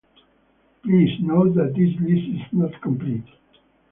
Please note that this list is not complete.